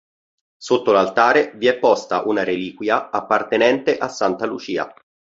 Sotto l'altare vi è posta una reliquia appartenente a Santa Lucia.